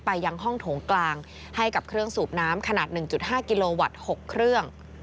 ยังห้องโถงกลางให้กับเครื่องสูบน้ำขนาด๑๕กิโลวัตต์๖เครื่อง